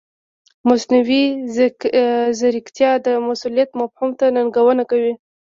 مصنوعي ځیرکتیا د مسؤلیت مفهوم ته ننګونه کوي.